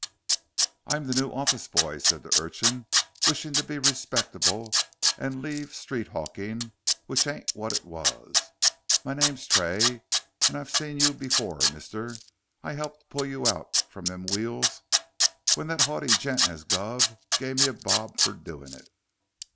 "I'm the new office boy," said the urchin, "wishin' to be respectable and leave street 'awking, which ain't what it was. M'name's Tray, an' I've seen you afore, mister. I 'elped to pull you out from them wheels with the 'aughty gent as guv me a bob fur doin' it."